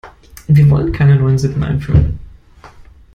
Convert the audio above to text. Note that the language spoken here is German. Wir wollen keine neuen Sitten einführen.